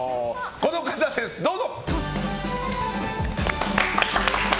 この方です、どうぞ。